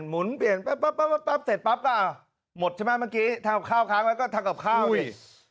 หมุนเปลี่ยนปั๊บปั๊บปั๊บปั๊บปั๊บเสร็จปั๊บก็หมดใช่ไหมเมื่อกี้ทางกับข้าวครั้งแล้วก็ทางกับข้าวดิ